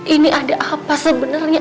ini ada apa sebenarnya